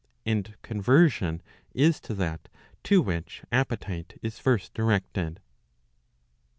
And conversion is to that to which appetite is first directed.